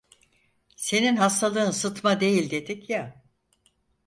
Senin hastalığın sıtma değil dedik ya!